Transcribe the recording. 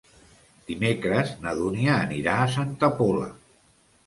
Dimecres na Dúnia anirà a Santa Pola.